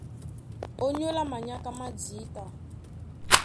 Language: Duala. Ónyólá manyáká má jǐta,